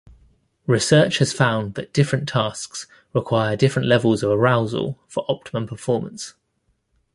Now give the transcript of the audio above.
Research has found that different tasks require different levels of arousal for optimal performance.